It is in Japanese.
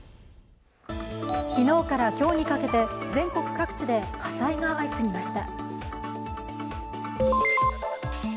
昨日から今日にかけて全国各地で火災が相次ぎました。